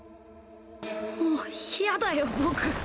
もう嫌だよ僕